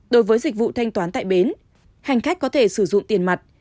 đối với dịch vụ thanh toán tại bến hành khách có thể sử dụng tiền mặt